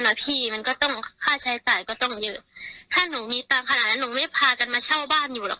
อ่ะพี่มันก็ต้องค่าใช้จ่ายก็ต้องเยอะถ้าหนูมีตังค์ขนาดนั้นหนูไม่พากันมาเช่าบ้านอยู่หรอก